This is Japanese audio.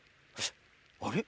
あれ？